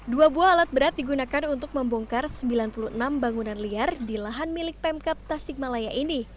dua buah alat berat digunakan untuk membongkar sembilan puluh enam bangunan liar di lahan milik pemkap tasikmalaya ini